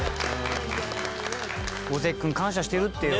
五関君感謝してるってよ。